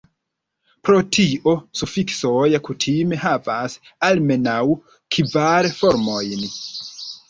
Pro tio, sufiksoj kutime havas almenaŭ kvar formojn.